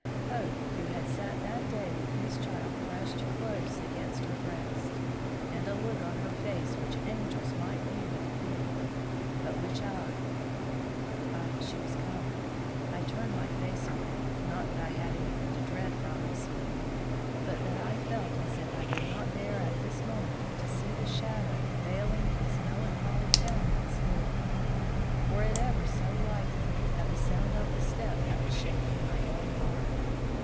Hope, who had sat that day with his child crushed close against her breast, and a look on her face which angels might view with pity, but which I Ah! she was coming! I turned my face away, not that I had anything to dread from this meeting, but that I felt as if I could not bear at this moment to see the shadow veiling his melancholy countenance lift, were it ever so lightly, at the sound of the step that was shaking my own heart.